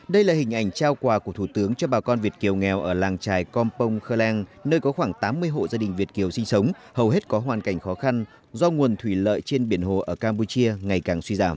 đây là hình ảnh trao quà của thủ tướng cho bà con việt kiều nghèo ở làng trài compong khờ leng nơi có khoảng tám mươi hộ gia đình việt kiều sinh sống hầu hết có hoàn cảnh khó khăn do nguồn thủy lợi trên biển hồ ở campuchia ngày càng suy giảm